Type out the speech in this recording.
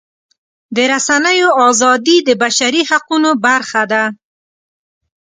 د رسنیو ازادي د بشري حقونو برخه ده.